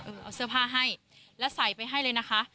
เอาเสื้อผ้าให้แล้วใส่ไปให้เลยนะคะ